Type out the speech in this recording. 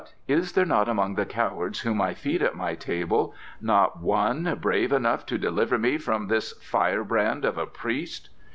Is there among the cowards whom I feed at my table not one brave enough to deliver me from this firebrand of a priest?"